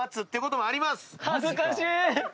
恥ずかしい！